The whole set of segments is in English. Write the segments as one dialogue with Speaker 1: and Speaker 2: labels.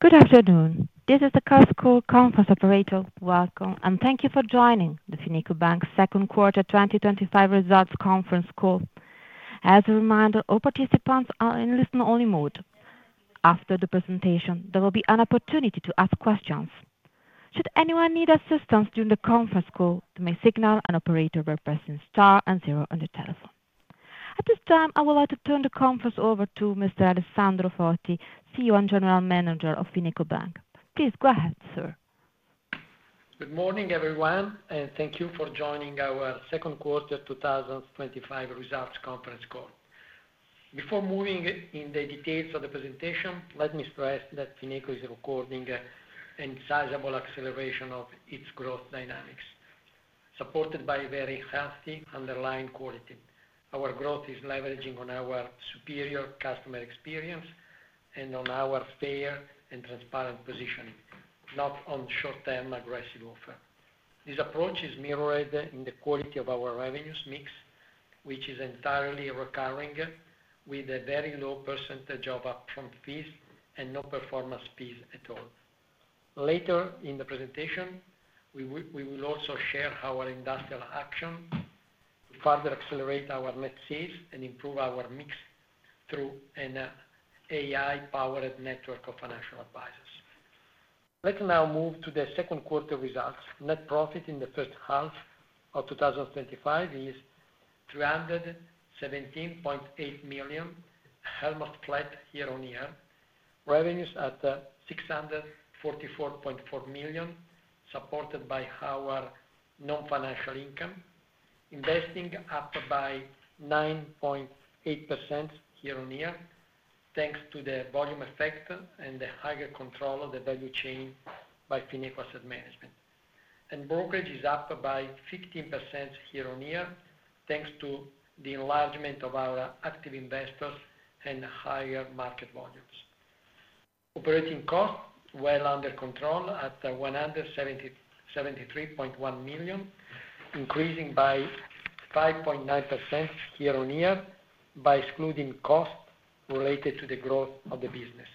Speaker 1: Good afternoon. This is the Carsco Conference Operator. Welcome, and thank you for joining the FinecoBank's second quarter 2025 results conference call. As a reminder, all participants are in listen-only mode. After the presentation, there will be an opportunity to ask questions. Should anyone need assistance during the conference call, they may signal an operator by pressing star and zero on the telephone. At this time, I would like to turn the conference over to Mr. Alessandro Foti, CEO and General Manager of FinecoBank. Please go ahead, sir.
Speaker 2: Good morning, everyone, and thank you for joining our second quarter 2025 results conference call. Before moving into the details of the presentation, let me stress that FinecoBank is recording a sizable acceleration of its growth dynamics, supported by very healthy underlying quality. Our growth is leveraging on our superior customer experience and on our fair and transparent positioning, not on short-term aggressive offer. This approach is mirrored in the quality of our revenues mix, which is entirely recurring, with a very low percentage of upfront fees and no performance fees at all. Later in the presentation, we will also share how our industrial action further accelerates our net sales and improves our mix through an AI-powered network of financial advisors. Let's now move to the second quarter results. Net profit in the first half of 2025 is 317.8 million. Year-on-year, revenues at 644.4 million, supported by our non-financial income, investing up by 9.8% year-on-year thanks to the volume effect and the higher control of the value chain by Fineco Asset Management. Brokerage is up by 15% year-on-year thanks to the enlargement of our active investors and higher market volumes. Operating costs are well under control at 173.1 million, increasing by 5.9% year-on-year by excluding costs related to the growth of the business.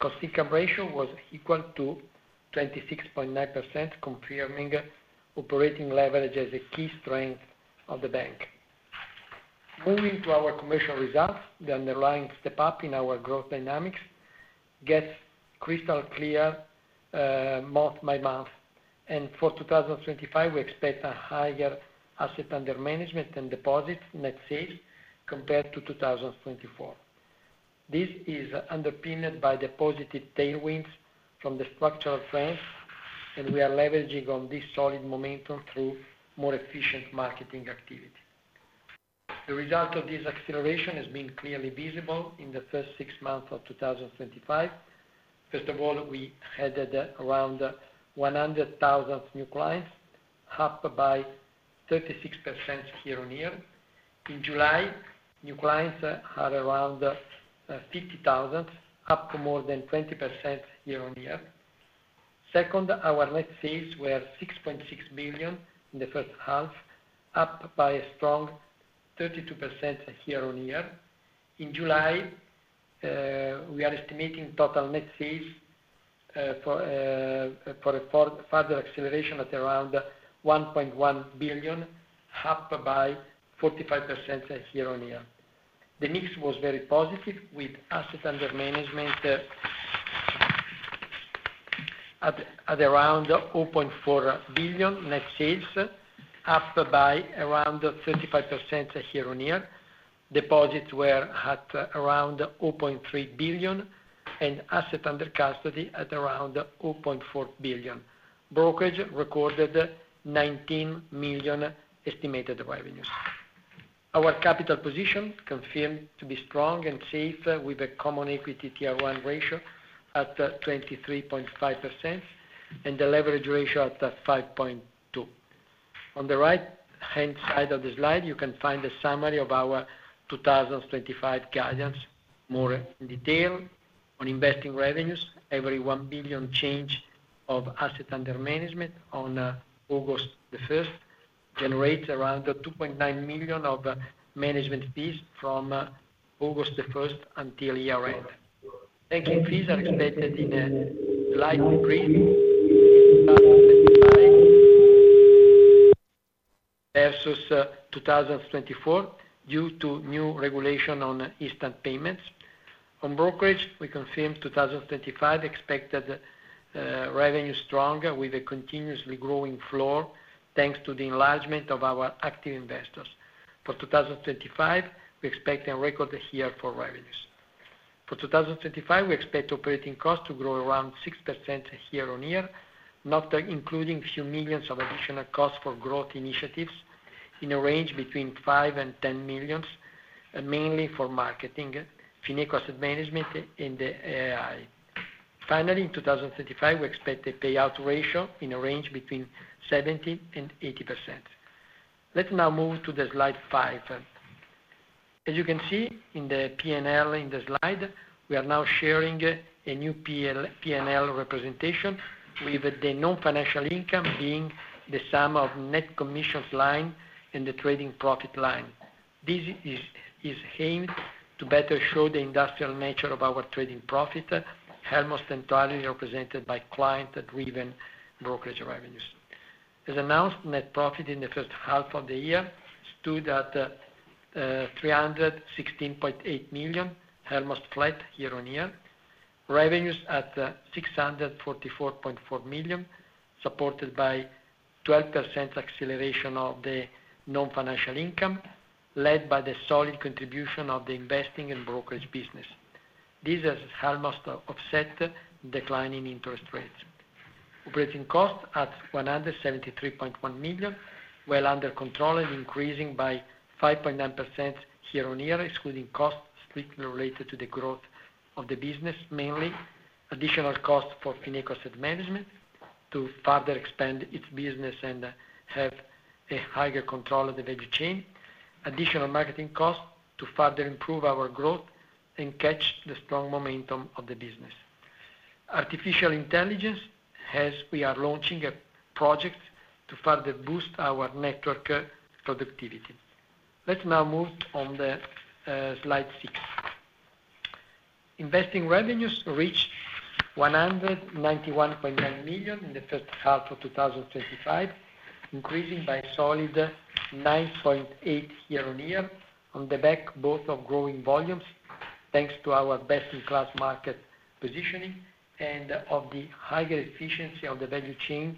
Speaker 2: Cost-income ratio was equal to 26.9%, confirming operating leverage as a key strength of the bank. Moving to our commercial results, the underlying step-up in our growth dynamics gets crystal clear month by month. For 2025, we expect a higher asset under management and deposit net sales compared to 2024. This is underpinned by the positive tailwinds from the structural trends, and we are leveraging on this solid momentum through more efficient marketing activity. The result of this acceleration has been clearly visible in the first six months of 2025. First of all, we added around 100,000 new clients, up by 36% year-on-year. In July, new clients were around 50,000, up more than 20% year-on-year. Second, our net sales were 6.6 billion in the first half, up by a strong 32% year-on-year. In July, we are estimating total net sales for a further acceleration at around 1.1 billion, up by 45% year-on-year. The mix was very positive, with asset under management at around 0.4 billion net sales, up by around 35% year-on-year. Deposits were at around 0.3 billion, and asset under custody at around 0.4 billion. Brokerage recorded 19 million estimated revenues. Our capital position confirmed to be strong and safe, with a Common Equity Tier 1 ratio at 23.5% and a leverage ratio at 5.2%. On the right-hand side of the slide, you can find the summary of our 2025 guidance. More in detail on investing revenues, every 1 billion change of asset under management on August 1st generates around 2.9 million of management fees from August 1st until year-end. Banking fees are expected in a slight increase in 2025 versus 2024 due to new regulation on instant payments. On brokerage, we confirmed 2025 expected revenue stronger with a continuously growing floor thanks to the enlargement of our active investors. For 2025, we expect a record year for revenues. For 2025, we expect operating costs to grow around 6% year-on-year, not including a few millions of additional costs for growth initiatives in a range between 5 and 10 million, mainly for marketing, Fineco Asset Management, and AI. Finally, in 2025, we expect a payout ratio in a range between 70% and 80%. Let's now move to slide 5. As you can see in the P&L in the slide, we are now sharing a new P&L representation, with the non-financial income being the sum of net commissions line and the trading profit line. This is aimed to better show the industrial nature of our trading profit, almost entirely represented by client-driven brokerage revenues. As announced, net profit in the first half of the year stood at 316.8 million, almost flat year-on-year. Revenues at 644.4 million, supported by 12% acceleration of the non-financial income, led by the solid contribution of the investing and brokerage business. This has almost offset declining interest rates. Operating costs at 173.1 million, well under control and increasing by 5.9% year-on-year, excluding costs strictly related to the growth of the business, mainly additional costs for Fineco Asset Management to further expand its business and have a higher control of the value chain, additional marketing costs to further improve our growth and catch the strong momentum of the business. Artificial intelligence has. We are launching a project to further boost our network productivity. Let's now move on to slide 6. Investing revenues reached 191.9 million in the first half of 2025, increasing by a solid 9.8% year-on-year, on the back both of growing volumes thanks to our best-in-class market positioning and of the higher efficiency of the value chain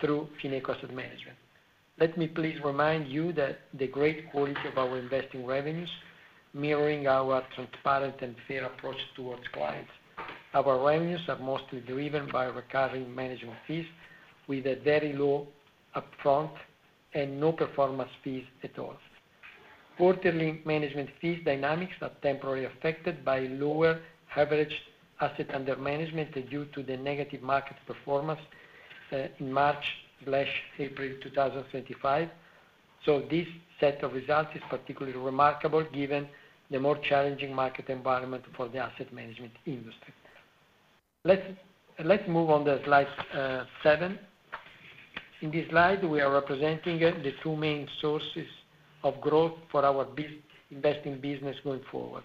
Speaker 2: through Fineco Asset Management. Let me please remind you that the great quality of our investing revenues mirrors our transparent and fair approach towards clients. Our revenues are mostly driven by recurring management fees, with a very low upfront and no performance fees at all. Quarterly management fees dynamics are temporarily affected by lower average asset under management due to the negative market performance in March/April 2025. This set of results is particularly remarkable given the more challenging market environment for the asset management industry. Let's move on to slide 7. In this slide, we are representing the two main sources of growth for our investing business going forward.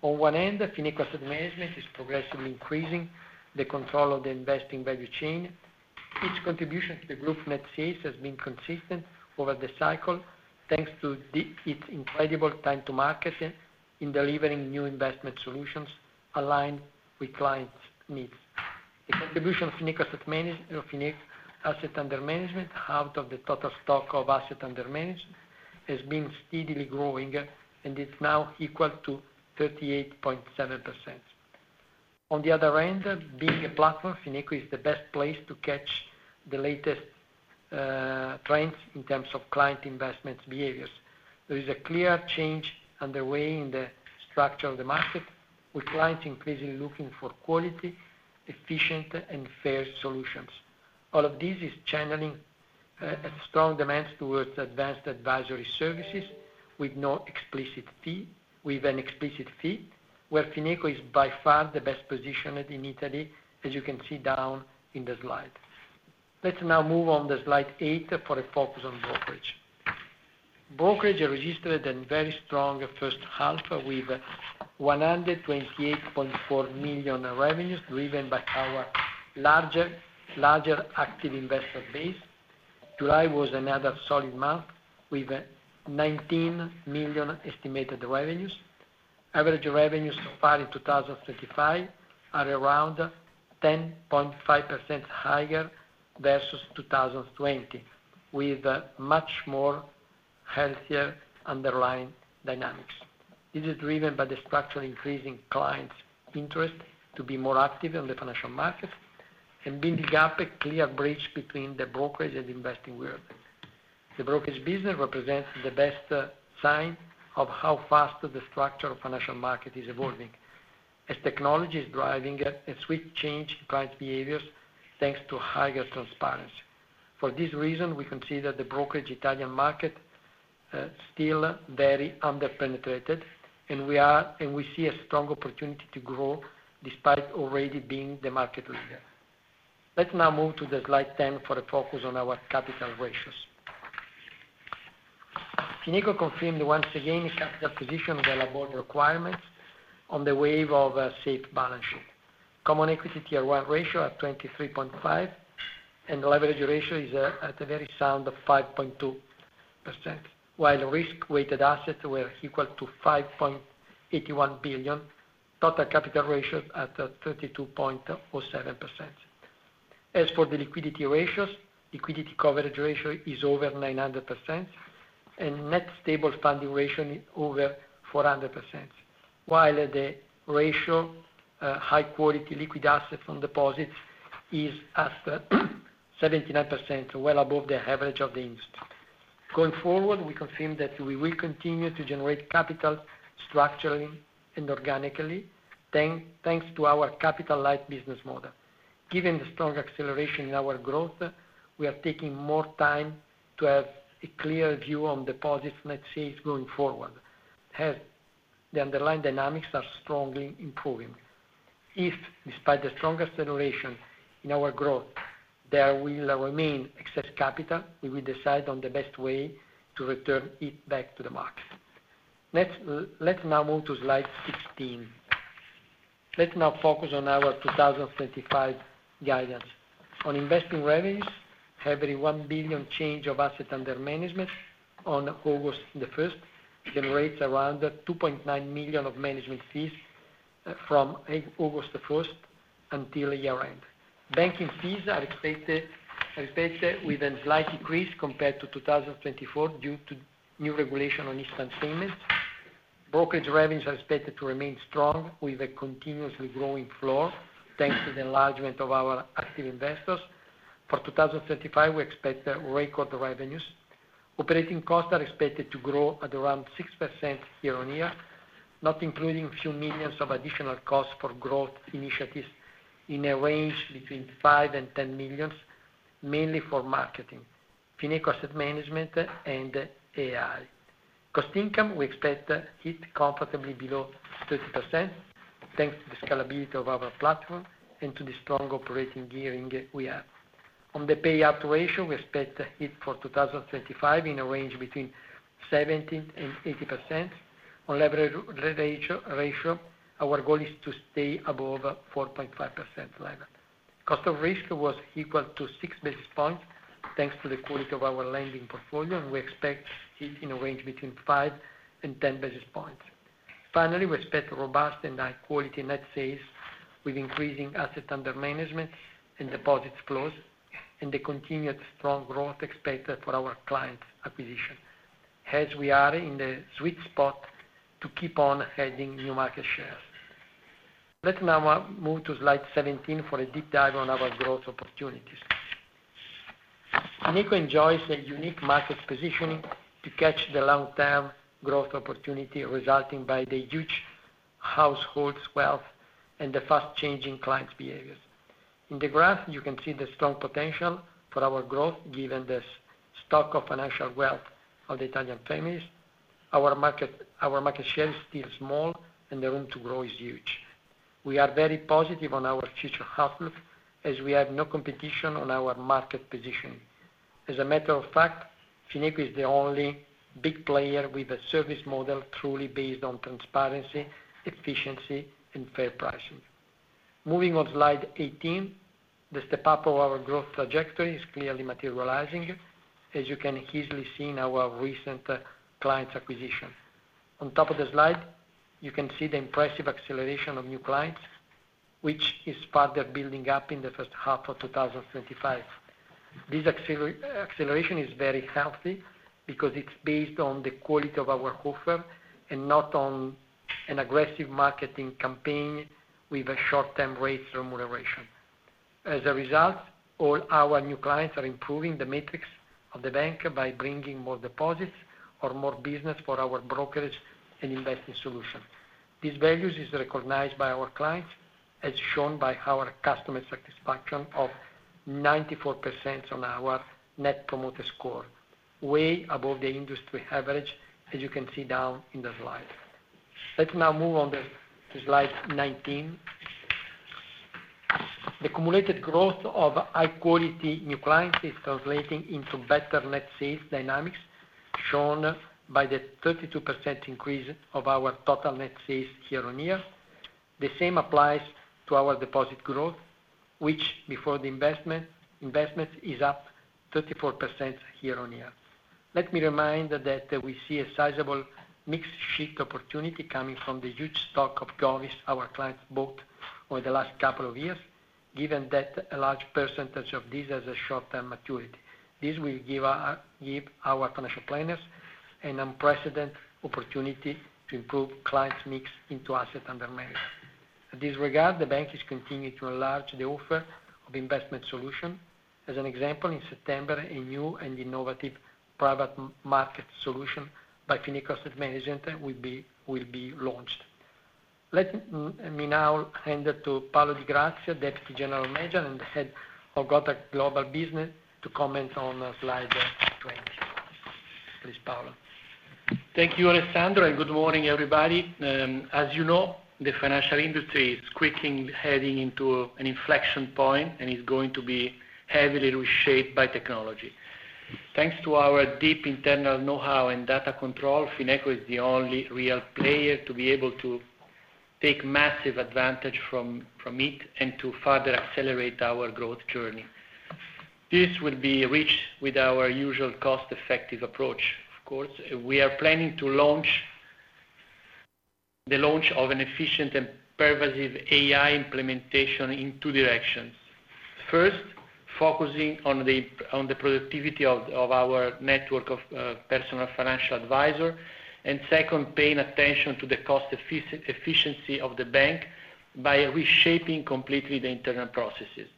Speaker 2: On one end, Fineco Asset Management is progressively increasing the control of the investing value chain. Its contribution to the group net sales has been consistent over the cycle thanks to its incredible time to market in delivering new investment solutions aligned with clients' needs. The contribution of Fineco asset under management out of the total stock of asset under management has been steadily growing, and it's now equal to 38.7%. On the other end, being a platform, Fineco is the best place to catch the latest trends in terms of client investment behaviors. There is a clear change underway in the structure of the market, with clients increasingly looking for quality, efficient, and fair solutions. All of this is channeling a strong demand towards advanced advisory services with an explicit fee, where Fineco is by far the best positioned in Italy, as you can see down in the slide. Let's now move on to slide 8 for a focus on brokerage. Brokerage registered a very strong first half with 128.4 million revenues driven by our larger active investor base. July was another solid month with 19 million estimated revenues. Average revenues so far in 2025 are around 10.5% higher versus 2020, with much more healthier underlying dynamics. This is driven by the structural increase in clients' interest to be more active on the financial markets and being a clear bridge between the brokerage and investing world. The brokerage business represents the best sign of how fast the structure of the financial market is evolving, as technology is driving a swift change in client behaviors thanks to higher transparency. For this reason, we consider the brokerage Italian market still very under-penetrated, and we see a strong opportunity to grow despite already being the market leader. Let's now move to slide 10 for a focus on our capital ratios. Fineco confirmed once again a capital position above requirements on the wave of a safe balance sheet. Common Equity Tier 1 ratio at 23.5%. The leverage ratio is at a very sound 5.2%, while risk-weighted assets were equal to 5.81 billion, total capital ratio at 32.07%. As for the liquidity ratios, liquidity coverage ratio is over 900% and net stable funding ratio over 400%, while the ratio of high-quality liquid assets on deposits is at 79%, well above the average of the industry. Going forward, we confirm that we will continue to generate capital structurally and organically thanks to our capital-light business model. Given the strong acceleration in our growth, we are taking more time to have a clear view on deposits and net sales going forward, as the underlying dynamics are strongly improving. If, despite the strong acceleration in our growth, there will remain excess capital, we will decide on the best way to return it back to the market. Let's now move to slide 16. Let's now focus on our 2025 guidance. On investing revenues, having a 1 billion change of asset under management on August 1st generates around 2.9 million of management fees from August 1st until year-end. Banking fees are expected with a slight decrease compared to 2024 due to new regulation on instant payments. Brokerage revenues are expected to remain strong with a continuously growing floor thanks to the enlargement of our active investors. For 2025, we expect record revenues. Operating costs are expected to grow at around 6% year-on-year, not including a few millions of additional costs for growth initiatives in a range between 5 million and 10 million, mainly for marketing, Fineco Asset Management, and AI. Cost-income, we expect to hit comfortably below 30% thanks to the scalability of our platform and to the strong operating gearing we have. On the payout ratio, we expect to hit for 2025 in a range between 70% and 80%. On leverage ratio, our goal is to stay above 4.5% level. Cost of risk was equal to 6 basis points thanks to the quality of our lending portfolio, and we expect to hit in a range between 5 and 10 basis points. Finally, we expect robust and high-quality net sales with increasing asset under management and deposits flows and the continued strong growth expected for our client acquisition, as we are in the sweet spot to keep on adding new market shares. Let's now move to slide 17 for a deep dive on our growth opportunities. Fineco enjoys a unique market position to catch the long-term growth opportunity resulting from the huge household wealth and the fast-changing client behaviors. In the graph, you can see the strong potential for our growth given the stock of financial wealth of the Italian families. Our market share is still small, and the room to grow is huge. We are very positive on our future outlook as we have no competition on our market position. As a matter of fact, Fineco is the only big player with a service model truly based on transparency, efficiency, and fair pricing. Moving on to slide 18, the step-up of our growth trajectory is clearly materializing, as you can easily see in our recent client acquisition. On top of the slide, you can see the impressive acceleration of new clients, which is further building up in the first half of 2025. This acceleration is very healthy because it's based on the quality of our offer and not on an aggressive marketing campaign with a short-term rates remuneration. As a result, all our new clients are improving the metrics of the bank by bringing more deposits or more business for our brokerage and investing solutions. These values are recognized by our clients, as shown by our customer satisfaction of 94% on our net promoter score, way above the industry average, as you can see down in the slide. Let's now move on to slide 19. The cumulated growth of high-quality new clients is translating into better net sales dynamics shown by the 32% increase of our total net sales year-on-year. The same applies to our deposit growth, which before the investment is up 34% year-on-year. Let me remind that we see a sizable mixed sheet opportunity coming from the huge stock of govs our clients bought over the last couple of years, given that a large percentage of these has a short-term maturity. This will give our financial planners an unprecedented opportunity to improve client mix into asset under management. In this regard, the bank is continuing to enlarge the offer of investment solutions. As an example, in September, a new and innovative private markets solution by Fineco Asset Management will be launched. Let me now hand it to Paolo Di Grazia, Deputy General Manager and the Head of Global Business, to comment on slide 20. Please, Paolo.
Speaker 3: Thank you, Alessandro, and good morning, everybody. As you know, the financial industry is quickly heading into an inflection point and is going to be heavily reshaped by technology. Thanks to our deep internal know-how and data control, Fineco is the only real player to be able to take massive advantage from it and to further accelerate our growth journey. This will be reached with our usual cost-effective approach, of course. We are planning to launch the launch of an efficient and pervasive AI implementation in two directions. First, focusing on the productivity of our network of personal financial advisors, and second, paying attention to the cost efficiency of the bank by reshaping completely the internal processes.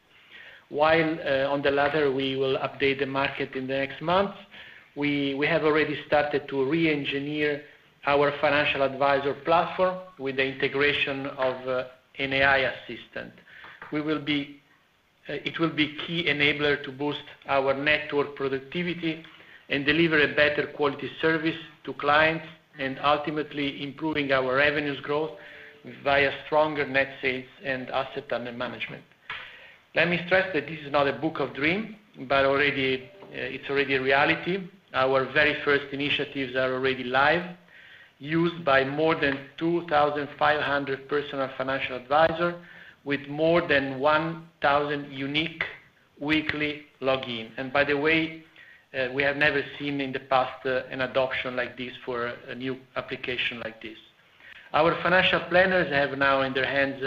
Speaker 3: While on the latter, we will update the market in the next months. We have already started to re-engineer our financial advisor platform with the integration of an AI assistant. It will be a key enabler to boost our network productivity and deliver a better quality service to clients, and ultimately improving our revenues growth via stronger net sales and asset under management. Let me stress that this is not a book of dreams, but it's already a reality. Our very first initiatives are already live, used by more than 2,500 personal financial advisors with more than 1,000 unique weekly logins. By the way, we have never seen in the past an adoption like this for a new application like this. Our financial planners have now in their hands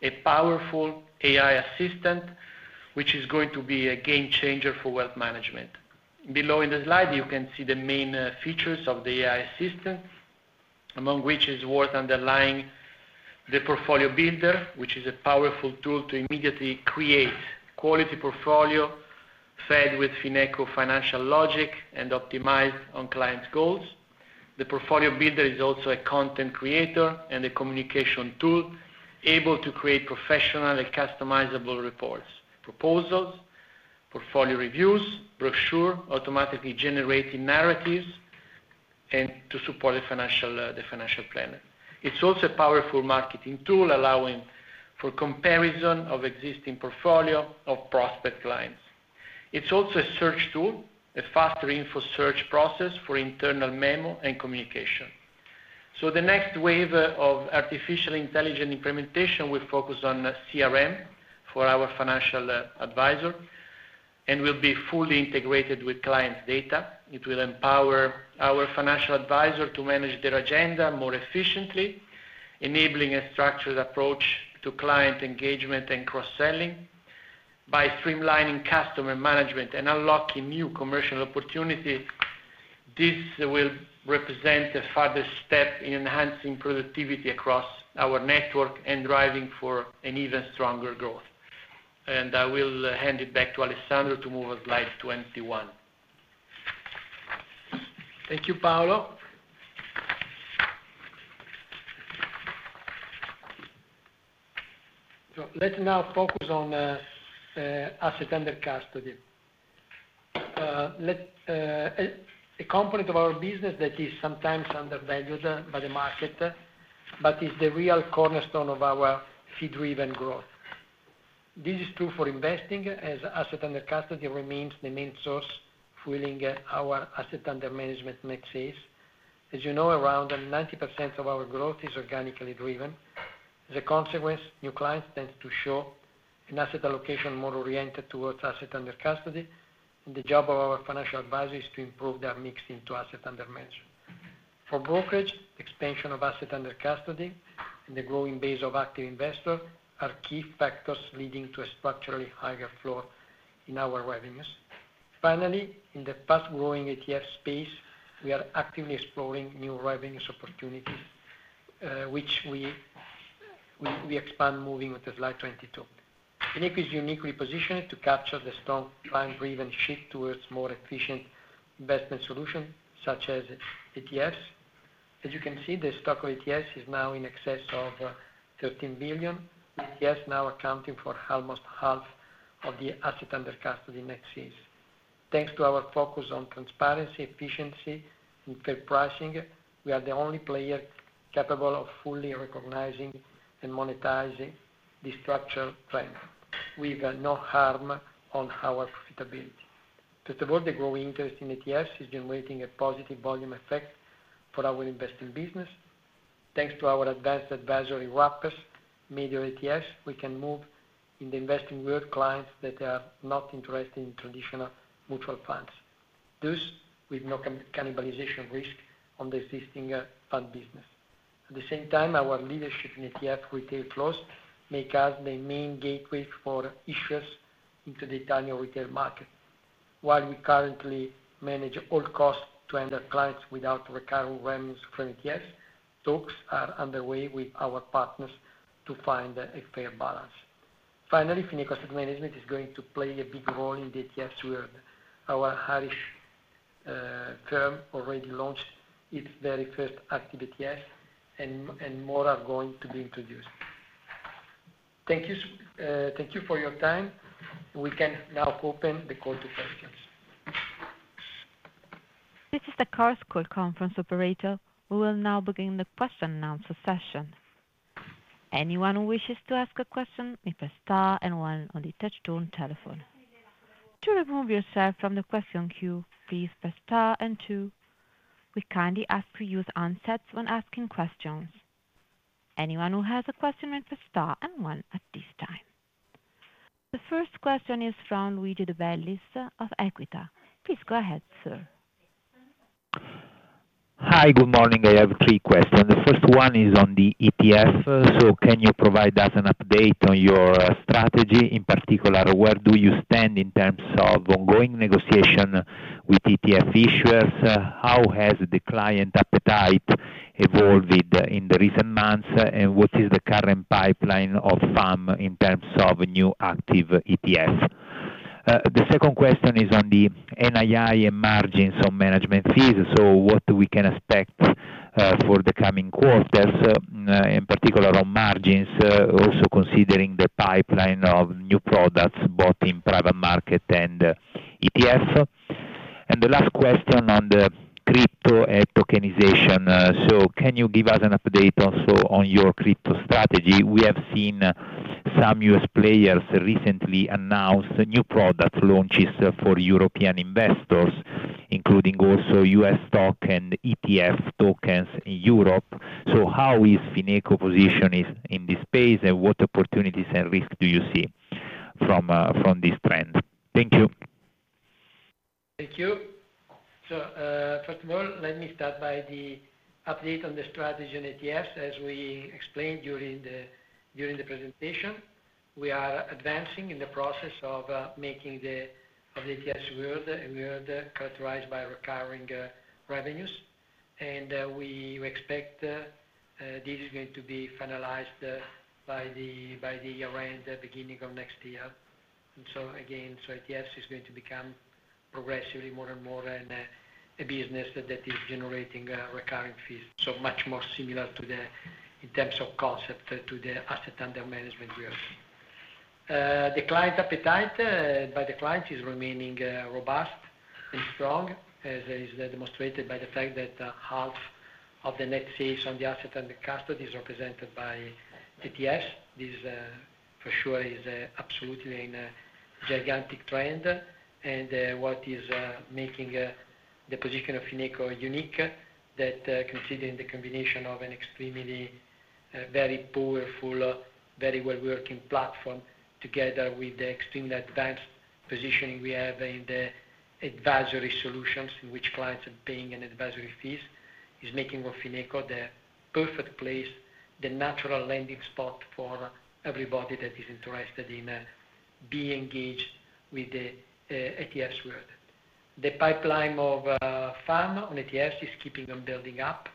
Speaker 3: a powerful AI assistant, which is going to be a game changer for wealth management. Below in the slide, you can see the main features of the AI assistant. Among which is worth underlining the portfolio builder, which is a powerful tool to immediately create quality portfolios fed with Fineco financial logic and optimized on client goals. The portfolio builder is also a content creator and a communication tool able to create professional and customizable reports, proposals, portfolio reviews, brochures, automatically generating narratives to support the financial planner. It's also a powerful marketing tool allowing for comparison of existing portfolios of prospect clients. It's also a search tool, a faster info search process for internal memo and communication. The next wave of artificial intelligence implementation will focus on CRM for our financial advisors and will be fully integrated with client data. It will empower our financial advisors to manage their agenda more efficiently, enabling a structured approach to client engagement and cross-selling by streamlining customer management and unlocking new commercial opportunities. This will represent a further step in enhancing productivity across our network and driving for an even stronger growth. I will hand it back to Alessandro to move on to slide 21.
Speaker 2: Thank you, Paolo. Let's now focus on asset under custody, a component of our business that is sometimes undervalued by the market but is the real cornerstone of our fee-driven growth. This is true for investing, as asset under custody remains the main source fueling our asset under management net sales. As you know, around 90% of our growth is organically driven. As a consequence, new clients tend to show an asset allocation more oriented towards asset under custody, and the job of our financial advisors is to improve their mix into asset under management. For brokerage, the expansion of asset under custody and the growing base of active investors are key factors leading to a structurally higher floor in our revenues. Finally, in the fast-growing ETF space, we are actively exploring new revenue opportunities, which we expand moving on to slide 22. Fineco is uniquely positioned to capture the strong client-driven shift towards more efficient investment solutions such as ETFs. As you can see, the stock of ETFs is now in excess of 13 billion, ETFs now accounting for almost half of the asset under custody net sales. Thanks to our focus on transparency, efficiency, and fair pricing, we are the only player capable of fully recognizing and monetizing this structural trend with no harm on our profitability. First of all, the growing interest in ETFs is generating a positive volume effect for our investing business. Thanks to our advanced advisory wrappers, major ETFs, we can move in the investing world clients that are not interested in traditional mutual funds. This, with no cannibalization risk on the existing fund business. At the same time, our leadership in ETF retail flows makes us the main gateway for issuers into the Italian retail market. While we currently manage all costs to clients without recurring revenues from ETFs, talks are underway with our partners to find a fair balance. Finally, Fineco Asset Management is going to play a big role in the ETFs world. Our firm already launched its very first active ETFs, and more are going to be introduced. Thank you for your time. We can now open the call to questions.
Speaker 1: This is the Carsco Conference Operator. We will now begin the question and answer session. Anyone who wishes to ask a question may press star and one on the touch-tone telephone. To remove yourself from the question queue, please press star and two. We kindly ask to use handsets when asking questions. Anyone who has a question may press star and one at this time. The first question is from Luigi De Bellis of EQUITA. Please go ahead, sir.
Speaker 4: Hi, good morning. I have three questions. The first one is on the ETFs. Can you provide us an update on your strategy? In particular, where do you stand in terms of ongoing negotiation with ETF issuers? How has the client appetite evolved in the recent months? What is the current pipeline of FAM in terms of new active ETFs? The second question is on the NII and margins on management fees. What do we expect for the coming quarters, in particular on margins, also considering the pipeline of new products both in private market and ETF? The last question is on the crypto tokenization. Can you give us an update also on your crypto strategy? We have seen some U.S. players recently announce new product launches for European investors, including also U.S. stock and ETF tokens in Europe. How is Fineco positioned in this space, and what opportunities and risks do you see from this trend? Thank you.
Speaker 2: Thank you. First of all, let me start by the update on the strategy on ETFs. As we explained during the presentation, we are advancing in the process of making the ETFs world characterized by recurring revenues. We expect this is going to be finalized by the year-end, beginning of next year. ETFs is going to become progressively more and more a business that is generating recurring fees, so much more similar in terms of concept to the asset under management world. The client appetite by the clients is remaining robust and strong, as is demonstrated by the fact that half of the net sales on the asset under custody is represented by ETFs. This, for sure, is absolutely a gigantic trend. What is making the position of Fineco unique is that, considering the combination of an extremely very powerful, very well-working platform together with the extremely advanced positioning we have in the advisory solutions in which clients are paying advisory fees, is making Fineco the perfect place, the natural landing spot for everybody that is interested in being engaged with the ETFs world. The pipeline of FAM on ETFs is keeping on building up,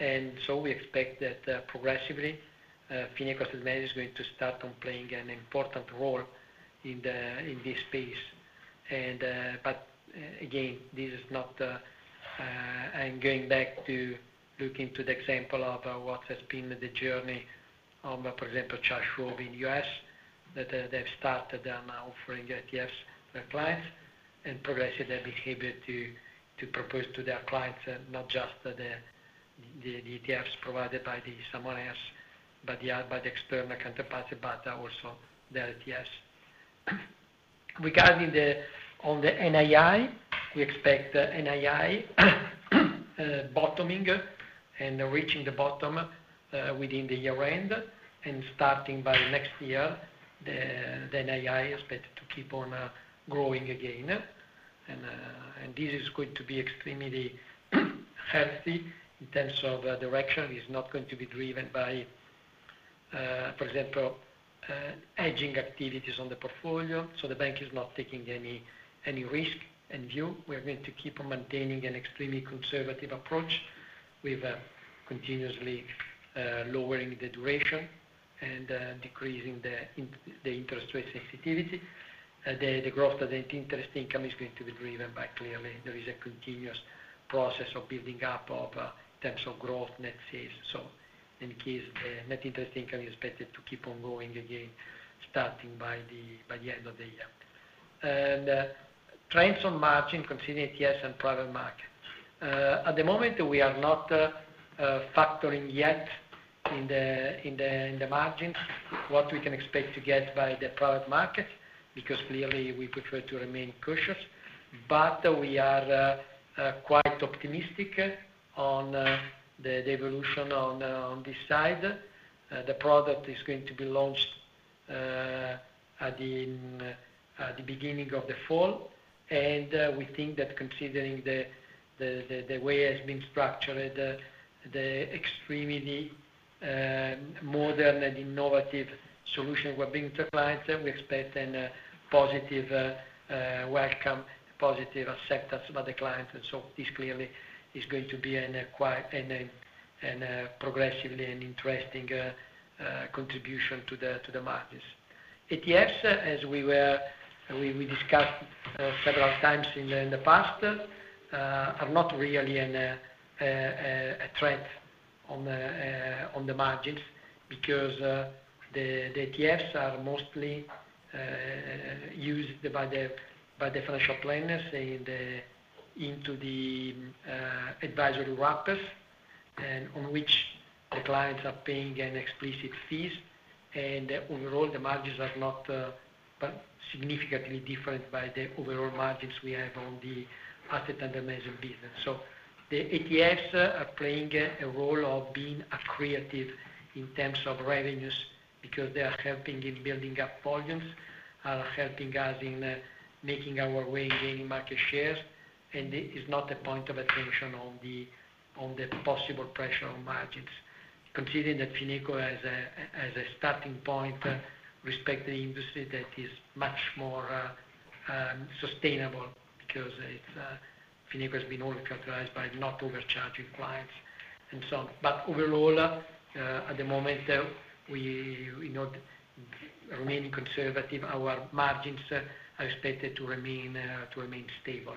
Speaker 2: and we expect that progressively Fineco Asset Management is going to start playing an important role in this space. Again, this is not. I'm going back to look into the example of what has been the journey of, for example, Charles Schwab in the U.S., that they have started offering ETFs to their clients and progressing their behavior to propose to their clients not just the ETFs provided by someone else, by the external counterparts, but also their ETFs. Regarding the NII, we expect NII bottoming and reaching the bottom within the year-end. Starting by next year, the NII is expected to keep on growing again. This is going to be extremely healthy in terms of direction. It's not going to be driven by, for example, hedging activities on the portfolio. The bank is not taking any risk in view. We are going to keep on maintaining an extremely conservative approach with continuously lowering the duration and decreasing the interest rate sensitivity. The growth of the net interest income is going to be driven by, clearly, there is a continuous process of building up in terms of growth, net sales. In case the net interest income is expected to keep on going again, starting by the end of the year. Trends on margin considering ETFs and private market, at the moment, we are not factoring yet in the margins what we can expect to get by the private market because, clearly, we prefer to remain cautious. We are quite optimistic on the evolution on this side. The product is going to be launched at the beginning of the fall, and we think that considering the way it has been structured, the extremely modern and innovative solution we're bringing to clients, we expect a positive welcome, positive acceptance by the clients. This, clearly, is going to be a. Progressively interesting. Contribution to the margins. ETFs, as we discussed several times in the past, are not really a threat on the margins because the ETFs are mostly used by the financial planners into the advisory wrappers, on which the clients are paying an explicit fee. Overall, the margins are not significantly different from the overall margins we have on the asset under management business. The ETFs are playing a role of being accretive in terms of revenues because they are helping in building up volumes, are helping us in making our way and gaining market shares. It is not a point of attention on the possible pressure on margins. Considering that Fineco as a starting point, respect the industry that is much more sustainable because Fineco has been always characterized by not overcharging clients and so on. Overall, at the moment, remaining conservative, our margins are expected to remain stable.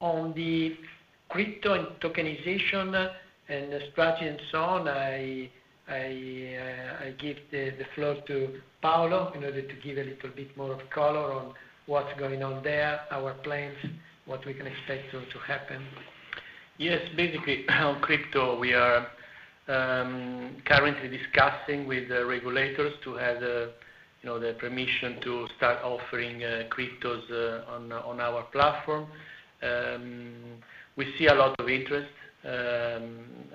Speaker 2: On the crypto and tokenization and strategy, I give the floor to Paolo in order to give a little bit more of color on what's going on there, our plans, what we can expect to happen.
Speaker 3: Yes. Basically, on crypto, we are currently discussing with the regulators to have the permission to start offering cryptos on our platform. We see a lot of interest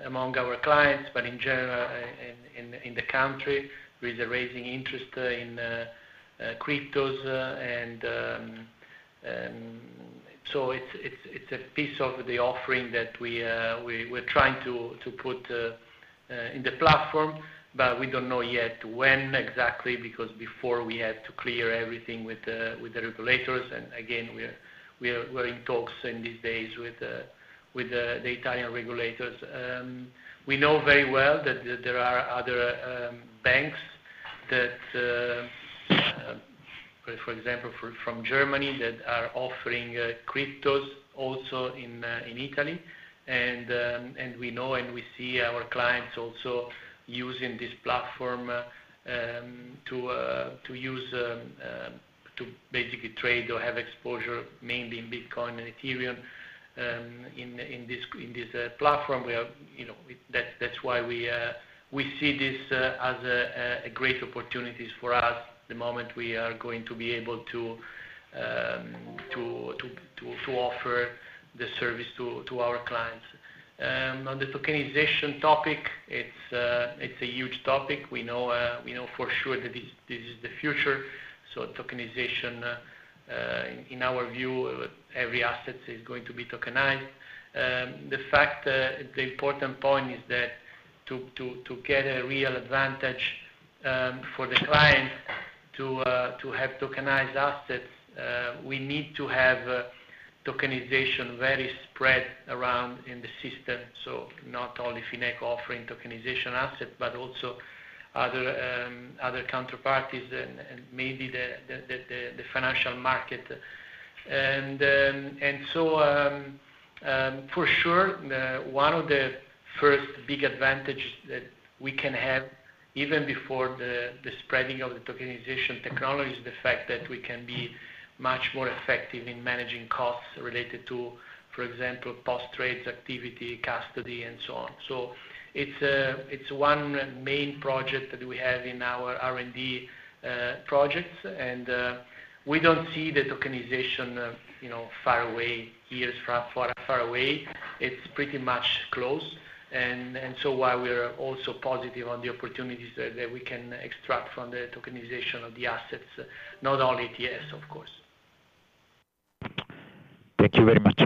Speaker 3: among our clients, but in general in the country, there is a rising interest in cryptos. It is a piece of the offering that we're trying to put in the platform. We don't know yet when exactly because before, we had to clear everything with the regulators. Again, we're in talks in these days with the Italian regulators. We know very well that there are other banks that, for example, from Germany, that are offering cryptos also in Italy. We know and we see our clients also using this platform to basically trade or have exposure mainly in Bitcoin and Ethereum in this platform. That's why we see this as a great opportunity for us the moment we are going to be able to offer the service to our clients. On the tokenization topic, it's a huge topic. We know for sure that this is the future. Tokenization, in our view, every asset is going to be tokenized. The important point is that to get a real advantage for the client to have tokenized assets, we need to have tokenization very spread around in the system. Not only Fineco offering tokenization assets, but also other counterparties and maybe the financial market. For sure, one of the first big advantages that we can have even before the spreading of the tokenization technology is the fact that we can be much more effective in managing costs related to, for example, post-trades activity, custody, and so on. It's one main project that we have in our R&D projects. We don't see the tokenization far away, years far away. It's pretty much close, which is why we are also positive on the opportunities that we can extract from the tokenization of the assets, not only ETFs, of course.
Speaker 4: Thank you very much.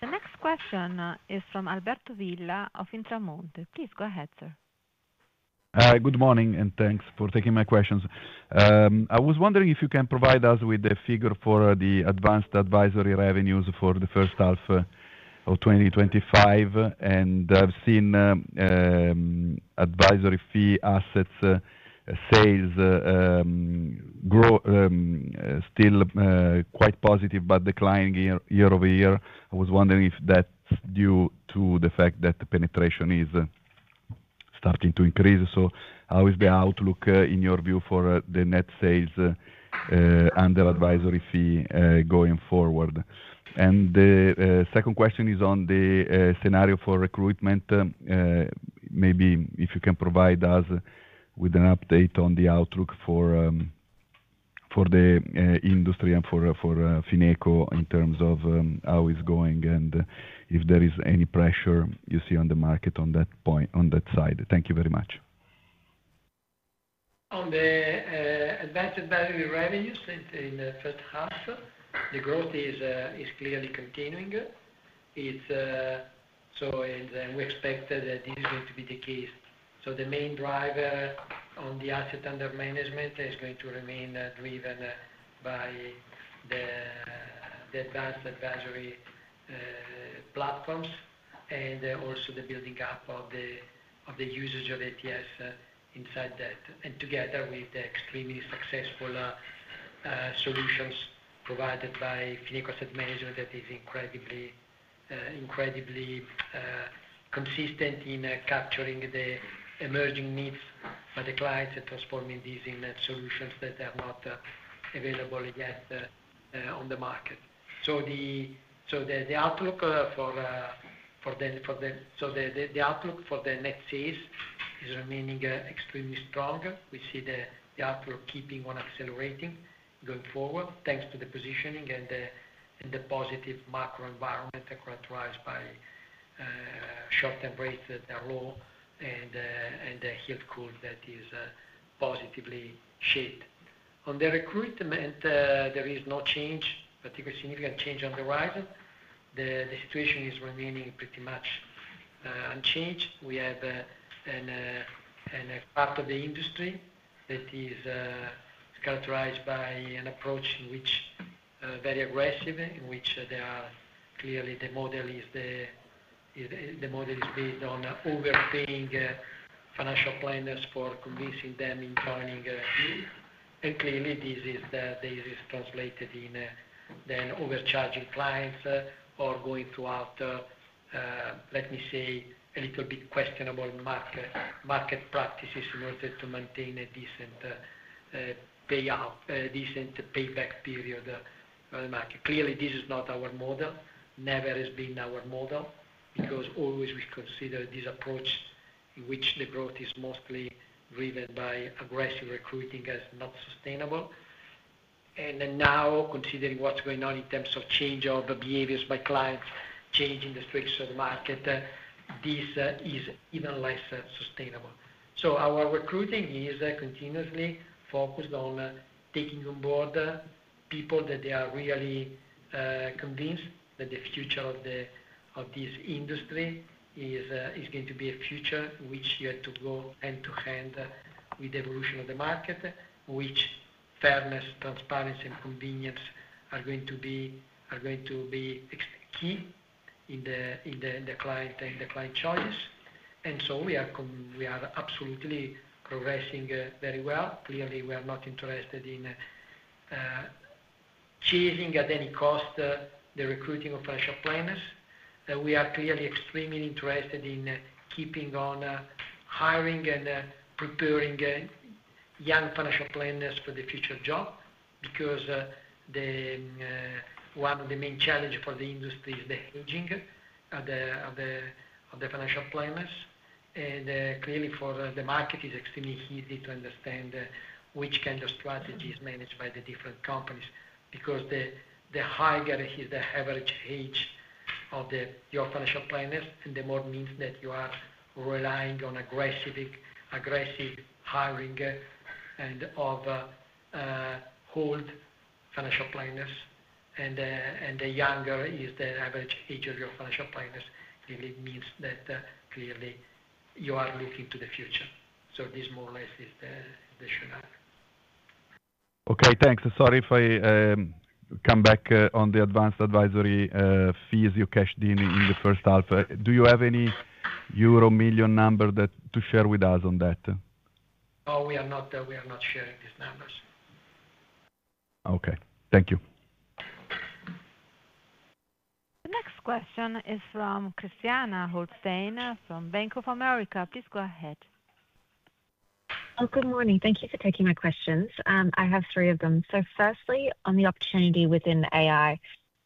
Speaker 1: The next question is from Alberto Villa of Intermonte. Please go ahead, sir.
Speaker 5: Good morning and thanks for taking my questions. I was wondering if you can provide us with a figure for the advanced advisory revenues for the first half of 2025. I've seen advisory fee assets sales still quite positive but declining year-over-year. I was wondering if that's due to the fact that the penetration is starting to increase. How is the outlook in your view for the net sales under advisory fee going forward? The second question is on the scenario for recruitment. Maybe if you can provide us with an update on the outlook for the industry and for Fineco in terms of how it's going and if there is any pressure you see on the market on that side. Thank you very much.
Speaker 2: On the advanced advisory revenues in the first half, the growth is clearly continuing. We expect that this is going to be the case. The main driver on the asset under management is going to remain driven by the advanced advisory platforms and also the building up of the usage of ETFs inside that, together with the extremely successful solutions provided by Fineco Asset Management that is incredibly consistent in capturing the emerging needs by the clients and transforming these in net solutions that are not available yet on the market. The outlook for the net sales is remaining extremely strong. We see the outlook keeping on accelerating going forward thanks to the positioning and the positive macro environment characterized by short-term rates that are low and a yield curve that is positively shaped. On the recruitment, there is no particularly significant change on the horizon. The situation is remaining pretty much unchanged. We have a part of the industry that is characterized by an approach in which, very aggressive, in which clearly the model is based on overpaying financial planners for convincing them in joining. Clearly, this is translated in then overcharging clients or going throughout, let me say, a little bit questionable market practices in order to maintain a decent payback period on the market. Clearly, this is not our model. Never has been our model because always we consider this approach in which the growth is mostly driven by aggressive recruiting as not sustainable. Now, considering what's going on in terms of change of behaviors by clients, changing the tricks of the market, this is even less sustainable. Our recruiting is continuously focused on taking on board people that they are really convinced that the future of this industry is going to be a future in which you have to go hand-to-hand with the evolution of the market, which fairness, transparency, and convenience are going to be key in the client and the client choices. We are absolutely progressing very well. We are not interested in chasing at any cost the recruiting of financial planners. We are clearly extremely interested in keeping on hiring and preparing young financial planners for the future job because one of the main challenges for the industry is the aging of the financial planners. For the market, it's extremely easy to understand which kind of strategy is managed by the different companies because the higher is the average age of your financial planners, and the more it means that you are relying on aggressive hiring and of old financial planners. The younger is the average age of your financial planners, clearly means that clearly you are looking to the future. This more or less is the shown up.
Speaker 5: Okay. Thanks. Sorry if I come back on the advanced advisory fees you cashed in in the first half. Do you have any euro million number to share with us on that?
Speaker 2: No, we are not sharing these numbers.
Speaker 5: Thank you.
Speaker 1: The next question is from Christiane Holstein from Bank of America. Please go ahead.
Speaker 6: Good morning. Thank you for taking my questions. I have three of them. Firstly, on the opportunity within AI.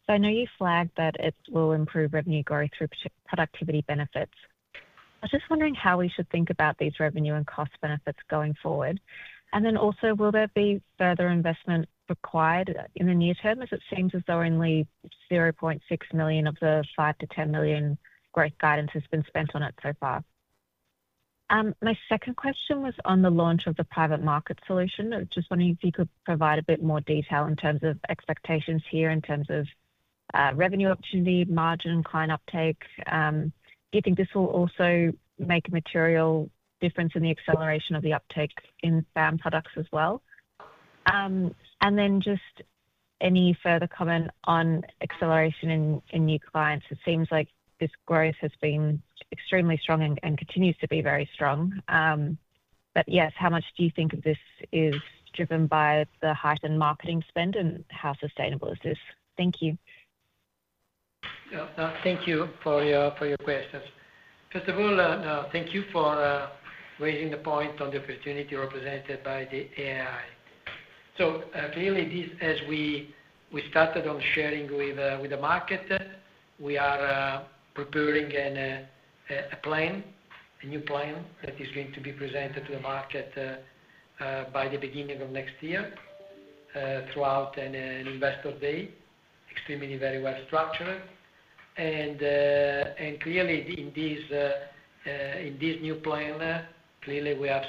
Speaker 6: I know you flagged that it will improve revenue growth through productivity benefits. I was just wondering how we should think about these revenue and cost benefits going forward. Also, will there be further investment required in the near term? It seems as though only 0.6 million of the 5 million to 10 million growth guidance has been spent on it so far. My second question was on the launch of the private markets solution. I was just wondering if you could provide a bit more detail in terms of expectations here in terms of revenue opportunity, margin, client uptake. Do you think this will also make a material difference in the acceleration of the uptake in spam products as well? Any further comment on acceleration in new clients? It seems like this growth has been extremely strong and continues to be very strong. How much do you think of this is driven by the heightened marketing spend, and how sustainable is this? Thank you.
Speaker 2: Thank you for your questions. First of all, thank you for raising the point on the opportunity represented by the AI. As we started on sharing with the market, we are preparing a new plan that is going to be presented to the market by the beginning of next year throughout an investor day, extremely very well structured. In this new plan, we have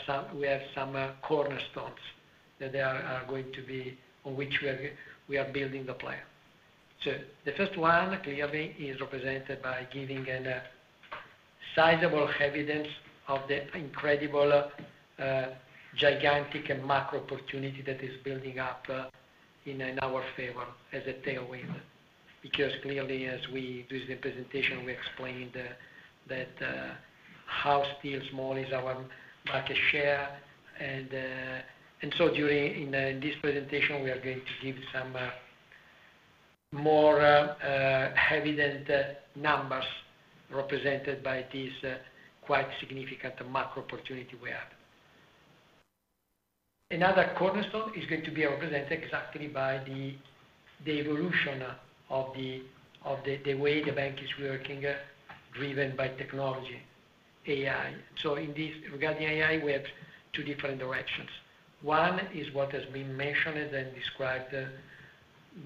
Speaker 2: some cornerstones that are going to be on which we are building the plan. The first one is represented by giving a sizable evidence of the incredible, gigantic, and macro opportunity that is building up in our favor as a tailwind. As we do the presentation, we explained how still small is our market share. In this presentation, we are going to give some more evident numbers represented by this quite significant macro opportunity we have. Another cornerstone is going to be represented exactly by the evolution of the way the bank is working driven by technology, AI. Regarding AI, we have two different directions. One is what has been mentioned and described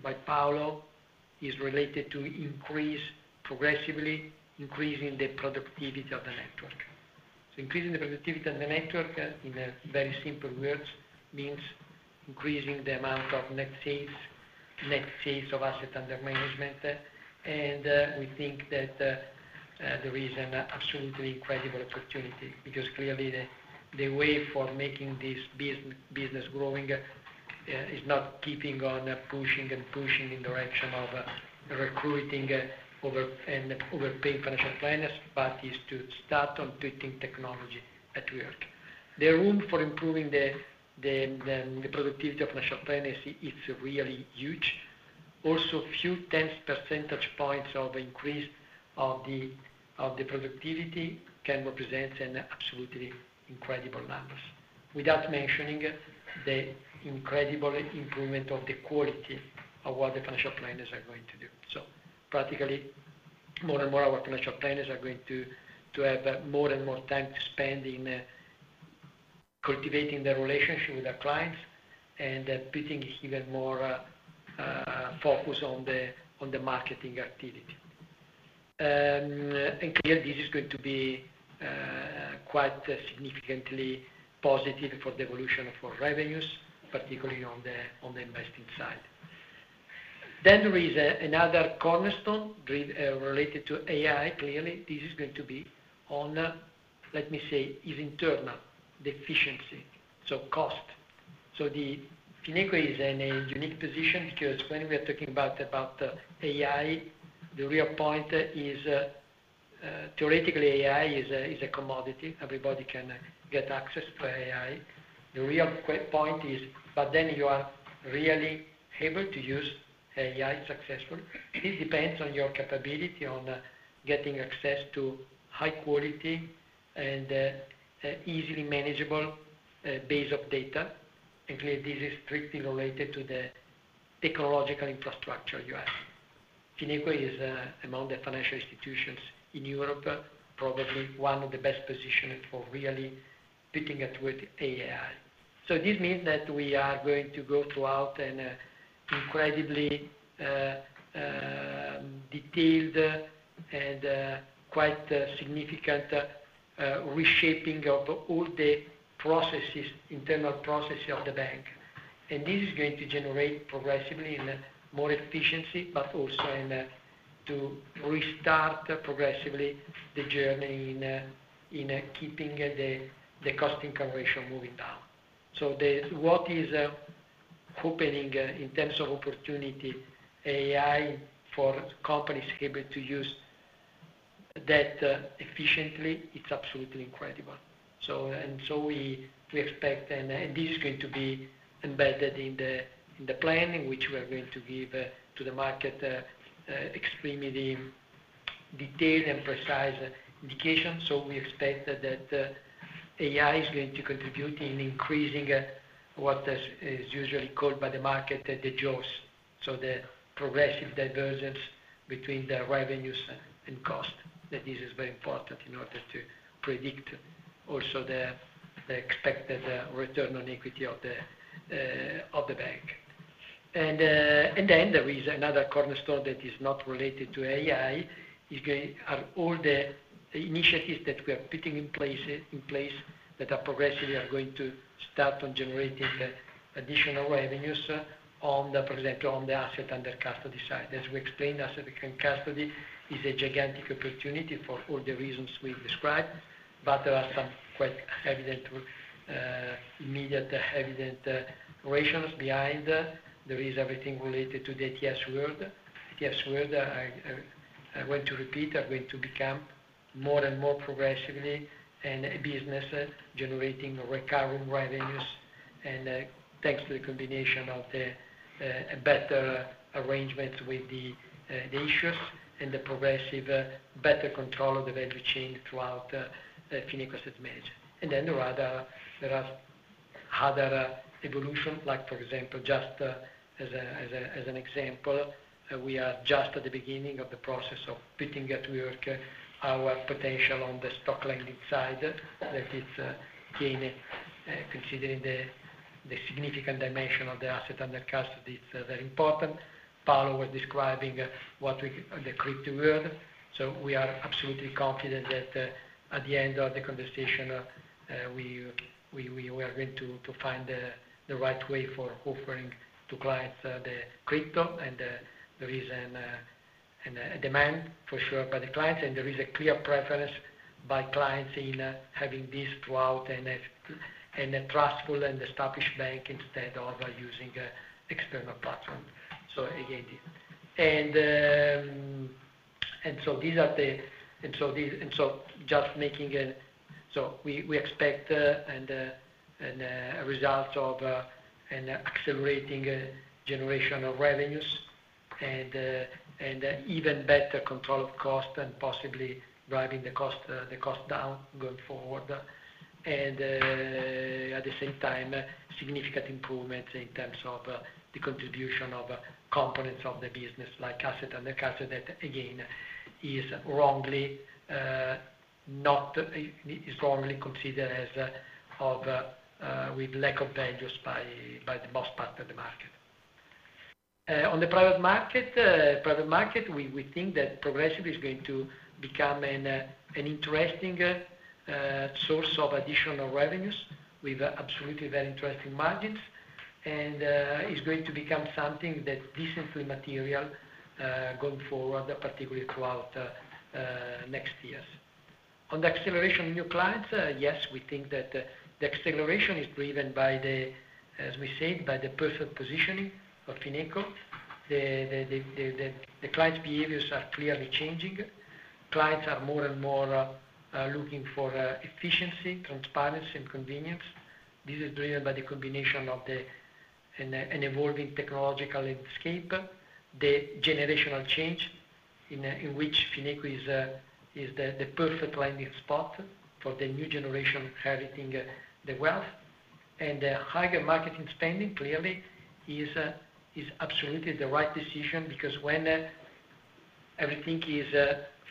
Speaker 2: by Paolo, is related to progressively increasing the productivity of the network. Increasing the productivity of the network, in very simple words, means increasing the amount of net sales of asset under management. We think that there is an absolutely incredible opportunity because the way for making this business growing is not keeping on pushing and pushing in the direction of recruiting and overpaying financial planners, but is to start on putting technology at work. The room for improving the productivity of financial planners, it's really huge. Also, few tenths percentage points of increase of the. Productivity can represent absolutely incredible numbers, without mentioning the incredible improvement of the quality of what the financial planners are going to do. Practically, more and more of our financial planners are going to have more and more time to spend in cultivating their relationship with their clients and putting even more focus on the marketing activity. Clearly, this is going to be quite significantly positive for the evolution of our revenues, particularly on the investing side. There is another cornerstone related to AI. Clearly, this is going to be on, let me say, internal efficiency, so cost. Fineco is in a unique position because when we are talking about AI, the real point is, theoretically, AI is a commodity. Everybody can get access to AI. The real point is, but then you are really able to use AI successfully. It depends on your capability on getting access to high-quality and easily manageable base of data. Clearly, this is strictly related to the technological infrastructure you have. Fineco is, among the financial institutions in Europe, probably one of the best positioned for really putting at work AI. This means that we are going to go throughout an incredibly detailed and quite significant reshaping of all the internal processes of the bank. This is going to generate progressively more efficiency, but also to restart progressively the journey in keeping the cost incrementation moving down. What is happening in terms of opportunity, AI for companies able to use that efficiently, it's absolutely incredible. We expect, and this is going to be embedded in the plan in which we are going to give to the market, extremely detailed and precise indications. We expect that AI is going to contribute in increasing what is usually called by the market the JOS, so the progressive divergence between the revenues and cost. This is very important in order to predict also the expected return on equity of the bank. There is another cornerstone that is not related to AI, all the initiatives that we are putting in place that are progressively going to start on generating additional revenues on the asset under custody side. As we explained, asset under custody is a gigantic opportunity for all the reasons we described, but there are some quite evident, immediate evident rationals behind. There is everything related to the ETFs world. ETFs world. I want to repeat, are going to become more and more progressively a business generating recurring revenues. Thanks to the combination of the better arrangements with the issuers and the progressive better control of the value chain throughout Fineco Asset Management. There are other evolutions, like for example, just as an example, we are just at the beginning of the process of putting at work our potential on the stock lending side that it's gained. Considering the significant dimension of the asset under custody, it's very important. Paolo was describing the crypto world. We are absolutely confident that at the end of the conversation we are going to find the right way for offering to clients the crypto. There is a demand for sure by the clients. There is a clear preference by clients in having this throughout a trustful and established bank instead of using external platforms. These are the and so just making. We expect results of an accelerating generation of revenues and even better control of cost and possibly driving the cost down going forward. At the same time, significant improvements in terms of the contribution of components of the business, like asset under custody that, again, is wrongly considered as with lack of values by the most part of the market. On the private market, we think that progressively is going to become an interesting source of additional revenues with absolutely very interesting margins. It's going to become something that's decently material going forward, particularly throughout next years. On the acceleration of new clients, yes, we think that the acceleration is driven by the, as we said, by the perfect positioning of Fineco. The client's behaviors are clearly changing. Clients are more and more looking for efficiency, transparency, and convenience. This is driven by the combination of an evolving technological landscape, the generational change in which Fineco is the perfect landing spot for the new generation inheriting the wealth. The higher marketing spending, clearly, is absolutely the right decision because when everything is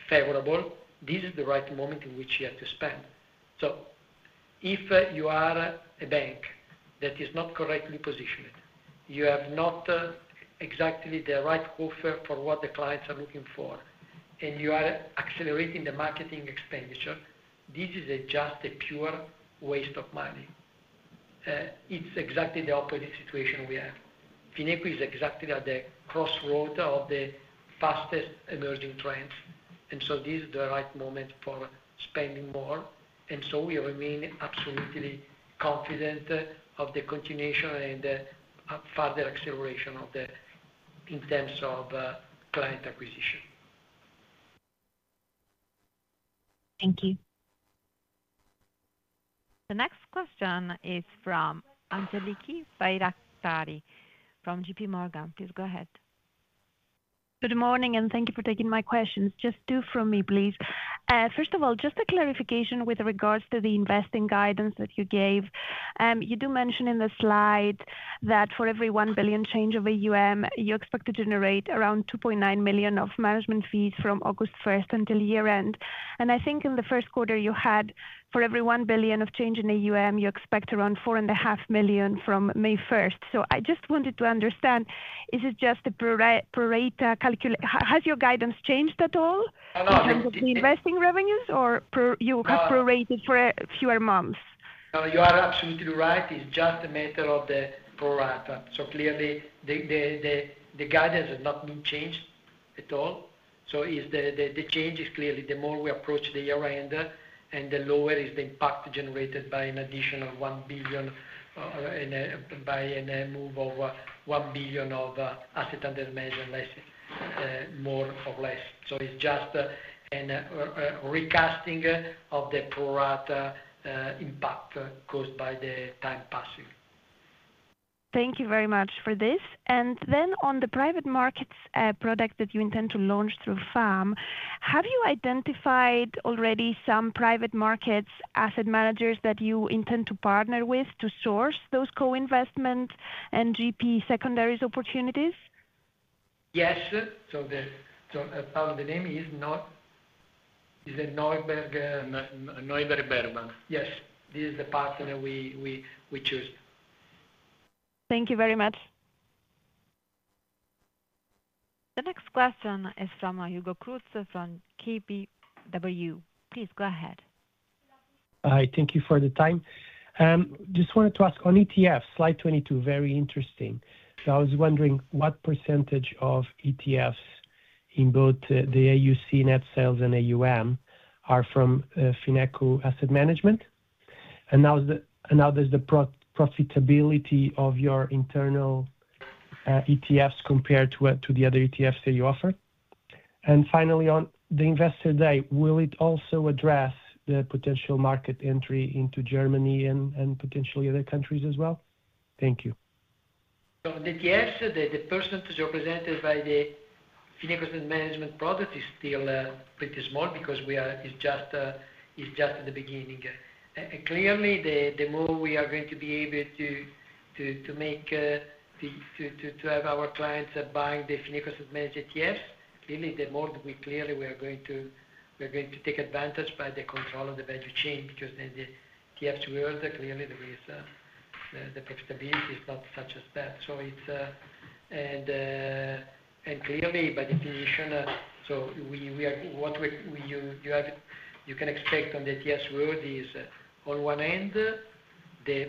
Speaker 2: favorable, this is the right moment in which you have to spend. If you are a bank that is not correctly positioned, you have not exactly the right offer for what the clients are looking for, and you are accelerating the marketing expenditure, this is just a pure waste of money. It's exactly the opposite situation we have. Fineco is exactly at the crossroad of the fastest emerging trends. This is the right moment for spending more. We remain absolutely confident of the continuation and further acceleration of the, in terms of client acquisition.
Speaker 6: Thank you.
Speaker 1: The next question is from Angeliki Bairaktari from JPMorgan.
Speaker 7: Please go ahead. Good morning, and thank you for taking my questions. Just two from me, please. First of all, just a clarification with regards to the investing guidance that you gave. You do mention in the slide that for every 1 billion change of asset under management, you expect to generate around 2.9 million of management fees from August 1st until year-end. I think in the first quarter, you had for every 1 billion of change in asset under management, you expect around 4.5 million from May 1st. I just wanted to understand, is it just a prorata calculation? Has your guidance changed at all in terms of the investing revenues, or you have prorated for fewer months?
Speaker 2: No, you are absolutely right. It's just a matter of the prorata. Clearly, the guidance has not been changed at all. The change is clearly the more we approach the year-end, the lower is the impact generated by an additional 1 billion, by a move of 1 billion of asset under management, more or less. It's just recasting of the prorata impact caused by the time passing.
Speaker 7: Thank you very much for this. On the private markets product that you intend to launch through FAM, have you identified already some private markets asset managers that you intend to partner with to source those co-investment and GP secondaries opportunities?
Speaker 2: Yes. The name is Neuberger Berman. Yes, this is the partner we chose.
Speaker 7: Thank you very much.
Speaker 1: The next question is from Hugo Cruz from KBW. Please go ahead.
Speaker 8: Hi. Thank you for the time. Just wanted to ask on ETFs, slide 22, very interesting. I was wondering what percentage of ETFs in both the AUC net sales and asset under management are from Fineco Asset Management? Now, there's the profitability of your internal ETFs compared to the other ETFs that you offer. Finally, on the investor day, will it also address the potential market entry into Germany and potentially other countries as well? Thank you.
Speaker 2: The ETFs, the percentage represented by the Fineco Asset Management product is still pretty small because it's just at the beginning. Clearly, the more we are going to be able to make. To have our clients buying the Fineco Asset Management ETFs, clearly, the more we are going to take advantage by the control of the value chain because in the ETFs world, clearly, the profitability is not such as that, by definition. What you can expect on the ETFs world is, on one end, the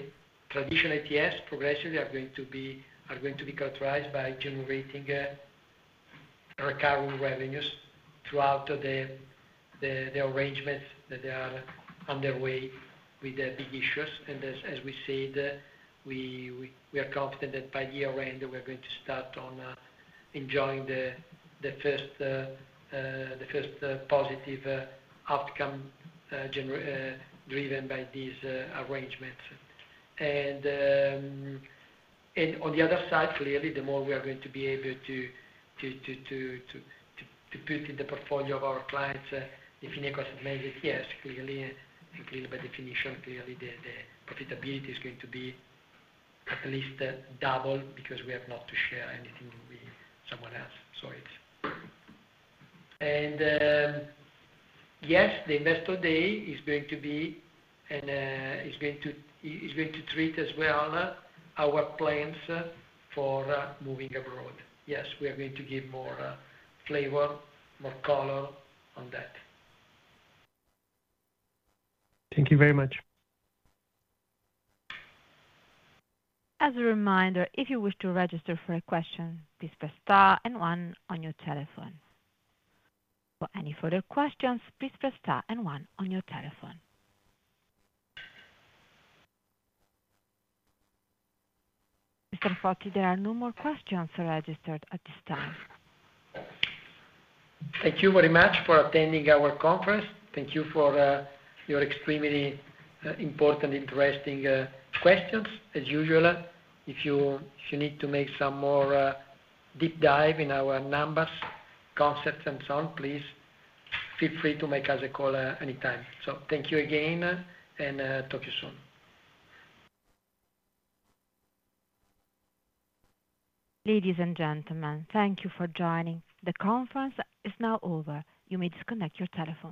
Speaker 2: traditional ETFs progressively are going to be characterized by generating recurring revenues throughout the arrangements that are underway with the big issuers. As we said, we are confident that by year-end, we're going to start enjoying the first positive outcome driven by these arrangements. On the other side, the more we are going to be able to put in the portfolio of our clients in Fineco Asset Management, by definition, the profitability is going to be at least double because we have not to share anything with someone else. The investor day is going to be, and is going to treat as well, our plans for moving abroad. We are going to give more flavor, more color on that.
Speaker 8: Thank you very much.
Speaker 1: As a reminder, if you wish to register for a question, please press star and one on your telephone. For any further questions, please press star and one on your telephone. Mr. Foti, there are no more questions registered at this time.
Speaker 2: Thank you very much for attending our conference. Thank you for your extremely important and interesting questions. As usual, if you need to make some more deep dive in our numbers, concepts, and so on, please feel free to make us a call anytime. Thank you again, and talk to you soon.
Speaker 1: Ladies and gentlemen, thank you for joining. The conference is now over. You may disconnect your telephone.